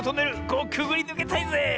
ここくぐりぬけたいぜえ！